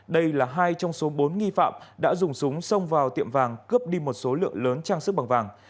đây là hai trong số bốn nghi phạm đã dùng súng xông vào tiệm vàng cướp đi một số lượng lớn trang sức bằng vàng